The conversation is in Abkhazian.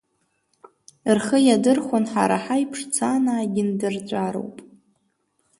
Рхы иадырхәар, ҳара ҳаиԥш Цанаагьы ндырҵәароуп.